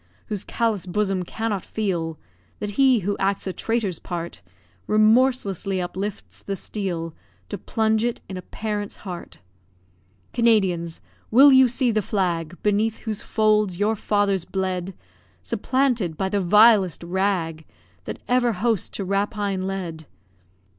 Whose callous bosom cannot feel That he who acts a traitor's part, Remorselessly uplifts the steel To plunge it in a parent's heart. Canadians! will you see the flag, Beneath whose folds your fathers bled, Supplanted by the vilest rag That ever host to rapine led?